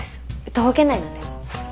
徒歩圏内なんで。